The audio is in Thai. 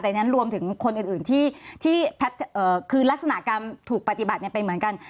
แต่นั้นรวมถึงคนอื่นที่แพทย์คือลักษณะการถูกปฏิบัติเป็นเหมือนกัน